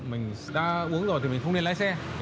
mình đã uống rồi thì mình không nên lái xe